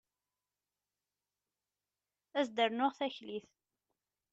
Ad as-d-rnuɣ taklit.